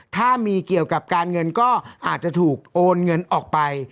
ถ้ามีเกี่ยวกับการเงินก็อาจจะถูกโอนเงินออกไป